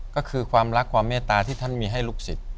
ก็คือความรักความเมตตาที่ท่านมีให้ลูกศิษย์